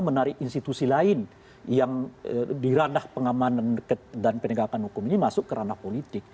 menarik institusi lain yang di ranah pengamanan dan penegakan hukum ini masuk ke ranah politik